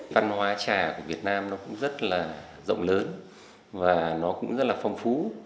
văn hóa trà của việt nam nó cũng rất là rộng lớn và nó cũng rất là phong phú